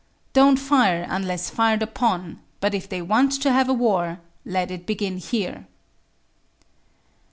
"Don't fire unless fired upon, but if they want to have a war, let it begin here."